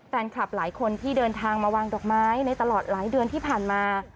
แฟนคลับหลายคนที่เดินทางมาวางดอกไม้ในตลอดหลายเดือนที่ผ่านมา